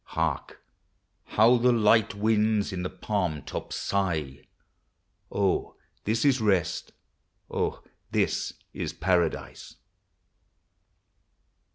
Hark, how the light winds in the palm tops sigh ! Oh, this is rest! oh, this is paradise!